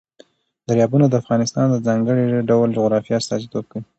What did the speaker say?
دریابونه د افغانستان د ځانګړي ډول جغرافیه استازیتوب کوي.